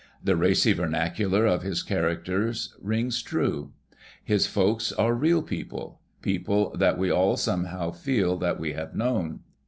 The racy vernacular of liis characters rings true; his folks are real people — people that we all somehow feel that we have known.